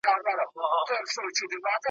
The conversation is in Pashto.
حرام كړى يې وو خوب د ماشومانو ,